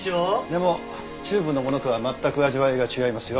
でもチューブのものとは全く味わいが違いますよ。